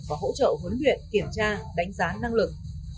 và hỗ trợ huấn luyện kiểm tra đánh giá năng lực